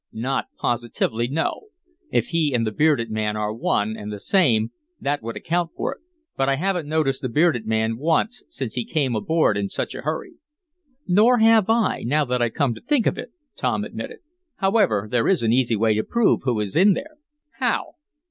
"Not positively, no. If he and the bearded man are one and the same that would account for it. But I haven't noticed the bearded man once since he came aboard in such a hurry." "Nor have I, now that I come to think of it," Tom admitted. "However, there is an easy way to prove who is in there." "How?"